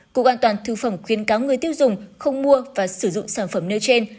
cục an toàn thực phẩm khuyến cáo người tiêu dùng không mua và sử dụng sản phẩm nêu trên